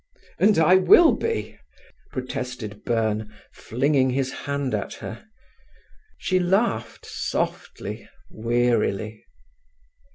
"And I will be," protested Byrne, flinging his hand at her. She laughed softly, wearily.